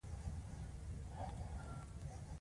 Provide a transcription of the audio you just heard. ایا زه به خپل ماشومان وپیژنم؟